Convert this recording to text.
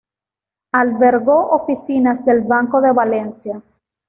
Albergó oficinas del Banco de Valencia.